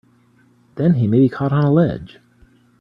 Then he may be caught on a ledge!